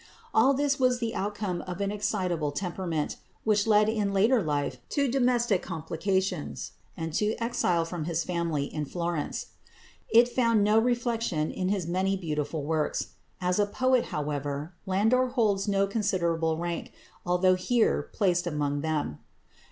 All this was the outcome of an excitable temperament, which led in later life to domestic complications, and to exile from his family in Florence. It found no reflection in his many beautiful works. As a poet, however, Landor holds no considerable rank, although here placed among them.